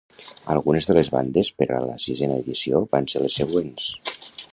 Algunes de les bandes per a la sisena edició van ser les següents.